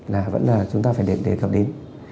là vẫn là chúng ta phải đề cập đến